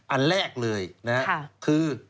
อันแรกเลยนะคือ